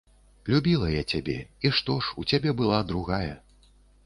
Любіла я цябе, і што ж, у цябе была другая.